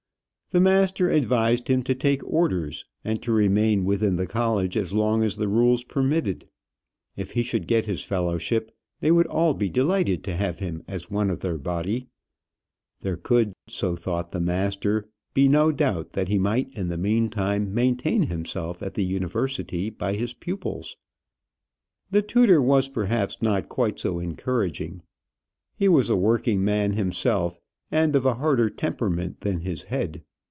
The master advised him to take orders, and to remain within the college as long as the rules permitted. If he should get his fellowship, they would all be delighted to have him as one of their body; there could so thought the master be no doubt that he might in the meantime maintain himself at the University by his pupils. The tutor was perhaps not quite so encouraging. He was a working man himself, and of a harder temperament than his head.